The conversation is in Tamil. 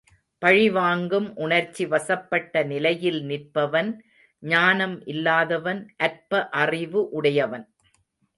பழிவாங்கும் உணர்ச்சிவசப்பட்ட நிலையில் நிற்பவன் ஞானம் இல்லாதவன் அற்ப அறிவு உடையவன்.